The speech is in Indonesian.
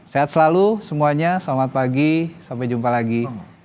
sehat selalu semuanya selamat pagi sampai jumpa lagi